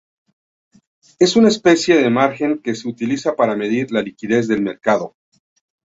Es una especie de margen que se utiliza para medir la liquidez del mercado.